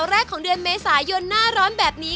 ฝึกงานอยู่๓ปี